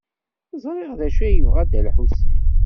Ẓriɣ d acu ay yebɣa Dda Lḥusin.